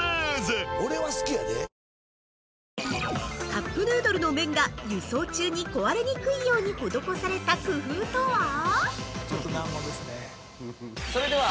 ◆カップヌードルの麺が輸送中に壊れにくいように施された工夫とは？